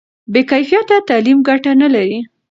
بې کیفیته تعلیم ګټه نه لري.